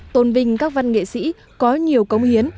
tôn vinh các văn nghệ sĩ có nhiều công hiến